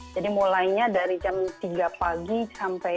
jadi mulainya dari jam tiga pagi sampai